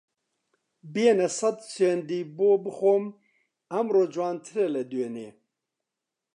بێنە سەد سوێندی بۆ بخۆم ئەمڕۆ جوانترە لە دوێنێ